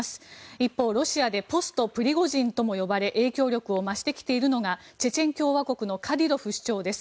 一方、ロシアでポストプリゴジンとも呼ばれ影響力を増してきているのがチェチェン共和国のカディロフ首長です。